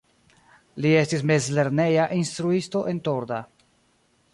Li estis mezlerneja instruisto en Torda.